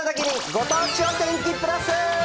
ご当地お天気プラス。